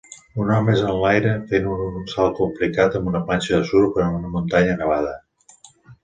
Un home és enlaira fent un salt complicat amb una planxa de surf en una muntanya nevada.